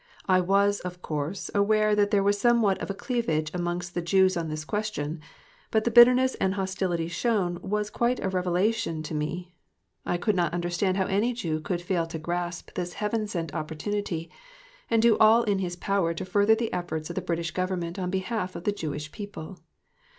I was, of course, aware that there was somewhat of a cleavage amongst the Jews on this question, but the bitterness and hostility shown was quite a revelation to me. I could not understand how any Jew could fail to grasp this Heaven sent opportunity and do all in his power to further the efforts of the British Government on behalf of the Jewish people.